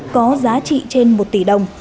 có giá trị trên một tỷ đồng